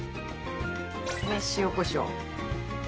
塩こしょう。